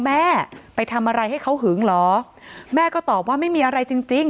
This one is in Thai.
แม่ไปทำอะไรให้เขาหึงเหรอแม่ก็ตอบว่าไม่มีอะไรจริงจริง